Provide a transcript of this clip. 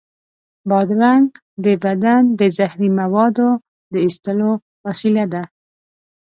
بادرنګ د بدن د زهري موادو د ایستلو وسیله ده.